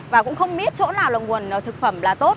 và cũng không biết chỗ nào là nguồn thực phẩm là tốt